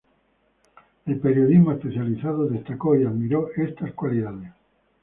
El periodismo especializado destacó y admiró estas cualidades.